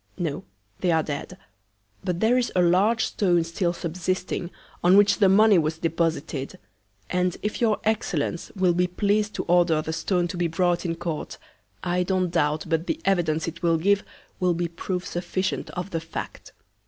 No, they are dead; but there is a large Stone still subsisting, on which the Money was deposited; and if your Excellence, will be pleas'd to order the Stone to be brought in Court, I don't doubt but the Evidence it will give, will be Proof sufficient of the Fact.